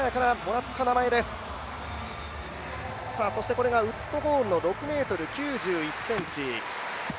これがウッドホールの６ｍ９１ｃｍ。